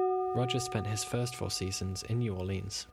Rogers spent his first four seasons in New Orleans.